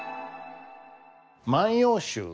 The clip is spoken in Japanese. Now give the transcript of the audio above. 「万葉集」。